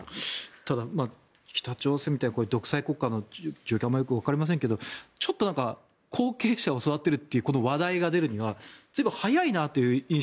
ただ、北朝鮮みたいな独裁国家の状況はわかりませんがちょっと後継者を育てるという話題が出るには随分、早いなという印象。